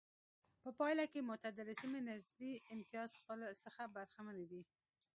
په پایله کې معتدله سیمې نسبي امتیاز څخه برخمنې دي.